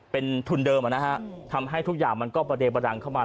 เป็นทุนเดิมนะฮะทำให้ทุกอย่างมันก็ประเดบดังเข้ามา